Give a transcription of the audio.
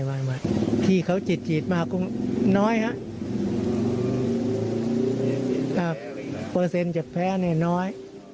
ไม่ครับที่เขาจีดมาก็น้อยครับเปอร์เซ็นต์จากแพ้นี่น้อย